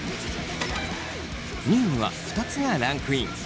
２位には２つがランクイン。